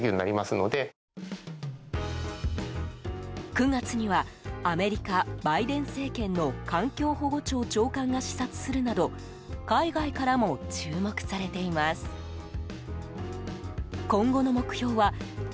９月にはアメリカ、バイデン政権の環境保護庁長官が視察するなど海外からも注目されています。